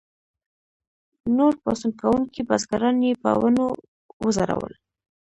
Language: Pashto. نور پاڅون کوونکي بزګران یې په ونو وځړول.